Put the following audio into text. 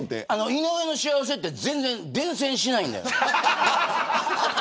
井上の幸せって全然伝染しないんだよね。